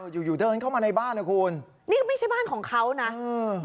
อยู่อยู่เดินเข้ามาในบ้านนะคุณนี่ไม่ใช่บ้านของเขานะอืม